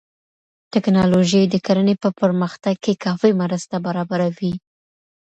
ټکنالوژي د کرنې په پرمختګ کې کافي مرسته برابروي.